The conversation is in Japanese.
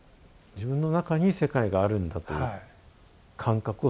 自分の中に世界があるんだという感覚をつかまれた？